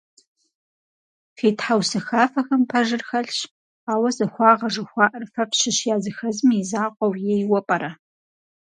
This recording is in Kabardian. Фи тхьэусыхафэхэм пэжыр хэлъщ, ауэ захуагъэ жыхуаӀэр фэ фщыщ языхэзым и закъуэу ейуэ пӀэрэ?